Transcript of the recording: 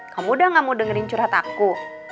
kamu udah gak mau dengerin curhat aku